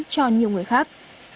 cho nhiều người khác